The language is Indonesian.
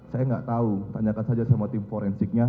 saya gak tau tanyakan saja sama tim forensiknya